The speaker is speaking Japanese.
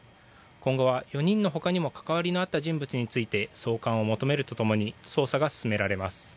今後は４人のほかにも関わりのあった人物について送還を求めるとともに捜査が進められます。